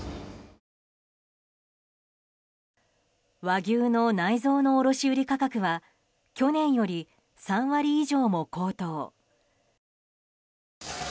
和牛の内臓の卸売価格は去年より３割以上も高騰。